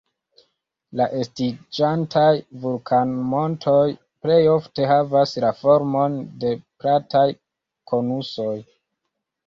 La estiĝantaj vulkanmontoj plej ofte havas la formon de plataj konusoj.